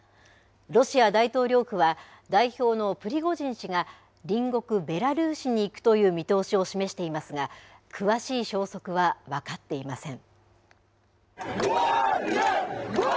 ロシア大統領府は、代表のプリゴジン氏が隣国ベラルーシに行くという見通しを示していますが、詳しい消息は分かっていません。